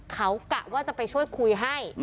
เขากะว่าจะไปช่วยคุยให้